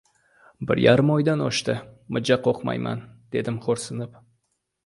— Bir yarim oydan oshdi: mijja qoqmayman, — dedim xo‘rsinib.